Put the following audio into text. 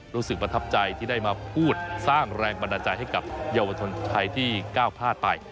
รู้สึกประทับใจที่ได้มาพูดสร้างแรงบันดาลใจให้กับเยาวชนไทยที่ก้าวพลาดไป